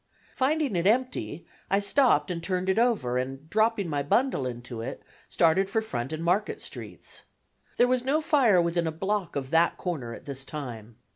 Finding it empty, I stopped and turned it over and, dropping my bundle into it, started for Front and Market Streets. There was no fire within a block of that corner at this time.